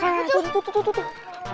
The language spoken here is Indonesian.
hei tuh tuh tuh